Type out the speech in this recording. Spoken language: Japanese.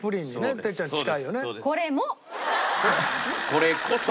これこそ。